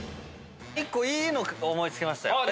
１個いいの思い付きましたよ。